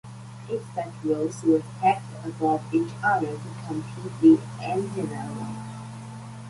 Eight such rows were stacked above each other to compete the antenna array.